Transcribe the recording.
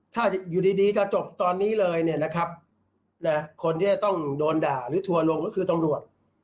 ถ้าอยู่ดีจะจบตอนนี้เลยเนี่ยนะครับคนที่จะต้องโดนด่าหรือทัวร์ลงก็คือตำรวจ